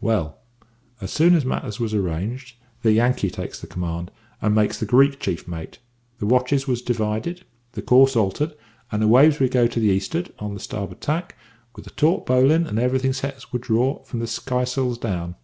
"Well, as soon as matters was arranged, the Yankee takes the command, and makes the Greek chief mate; the watches was divided, the course altered, and away we goes to the east'ard, on the starboard tack, with a taut bowline and everything set as would draw, from the skysails down.